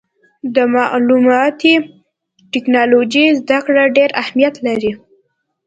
د معلوماتي ټکنالوجۍ زدهکړه ډېر اهمیت لري.